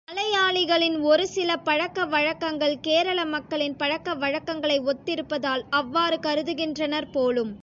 மலையாளிகளின் ஒருசில பழக்க வழக்கங்கள் கேரள மக்களின் பழக்க வழக்கங்களை ஒத்திருப்பதால் அவ்வாறு கருதுகின்றனர் போலும்.